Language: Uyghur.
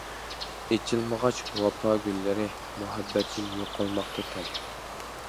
ئېچىلمىغاچ ۋاپا گۈللىرى، مۇھەببەتتىن يوقالماقتا تەم.